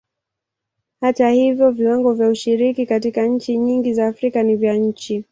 Hata hivyo, viwango vya ushiriki katika nchi nyingi za Afrika ni vya chini.